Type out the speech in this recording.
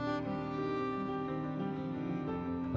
lalu kemudian kita mencari penulisan